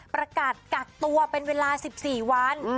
ประกาศกักตัวเป็นเวลา๑๔วัน